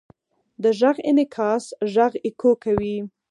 د غږ انعکاس غږ اکو کوي.